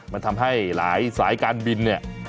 มันทำให้หลายสายการบินเนี่ย